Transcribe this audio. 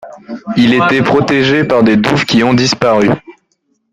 Il était protégé par des douves qui ont disparu.